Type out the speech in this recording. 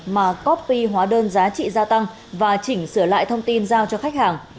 mà coppy hóa đơn giá trị gia tăng và chỉnh sửa lại thông tin giao cho khách hàng